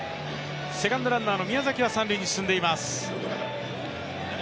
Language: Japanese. セカンドランナーの宮崎は三塁に進んでいます。